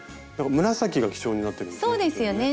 紫が基調になってるんですね。